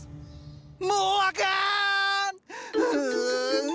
もうあかん！